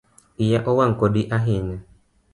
Iya owang kodi ahinya